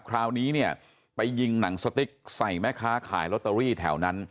คราวนี้เนี่ยไปยิงหนังสติ๊กใส่แม่ค้าขายลอตเตอรี่แถวนั้น